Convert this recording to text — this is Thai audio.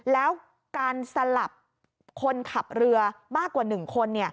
แล้วการสลับคนขับเรือมากกว่า๑คน